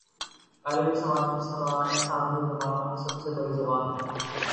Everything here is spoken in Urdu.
عربی سامی زبانوں میں سب سے بڑی زبان ہے